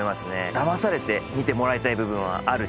だまされて見てもらいたい部分はあるし